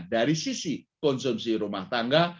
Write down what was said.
dari sisi konsumsi rumah tangga